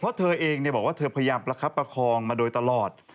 เพราะเธอเองบอกว่าเธอพยายามประคับประคองมาโดยตลอด